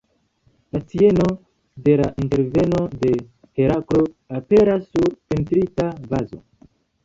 La sceno de la interveno de Heraklo aperas sur pentrita vazo.